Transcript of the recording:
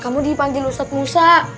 kamu di panggil ustadz musa